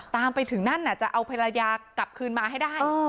ตามไปถึงนั่นจะเอาภรรยากลับคืนมาให้ได้